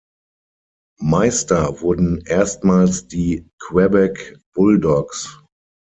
Meister wurden erstmals die Quebec Bulldogs.